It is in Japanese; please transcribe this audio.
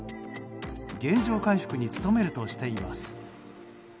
原状回復に努めるとしています。